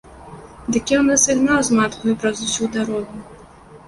Дык ён нас і гнаў з маткаю праз усю дарогу.